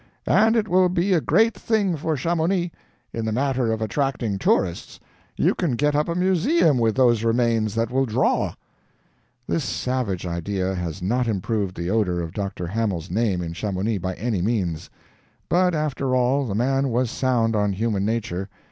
And it will be a great thing for Chamonix, in the matter of attracting tourists. You can get up a museum with those remains that will draw!" This savage idea has not improved the odor of Dr. Hamel's name in Chamonix by any means. But after all, the man was sound on human nature.